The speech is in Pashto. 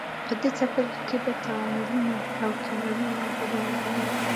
په دې څپرکي کې به تعاملونه او کیمیاوي معادلې ولولئ.